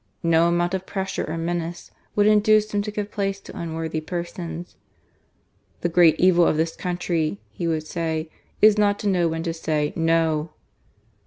No amount of pressure or menace would induce him to give places to unworthy persons. "The great evil of this country," he would say, " is not to know when to say * No.'